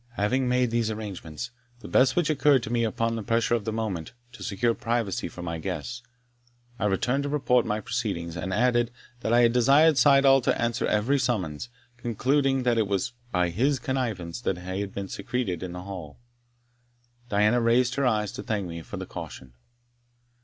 Having made these arrangements, the best which occurred to me upon the pressure of the moment, to secure privacy for my guests, I returned to report my proceedings, and added, that I had desired Syddall to answer every summons, concluding that it was by his connivance they had been secreted in the Hall. Diana raised her eyes to thank me for the caution.